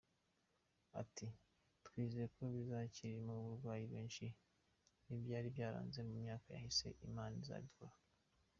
Ati “ Twizeye ko kizakiriramo abarwayi benshi n’ibyari byaranze mu myaka yahise Imana izabikora.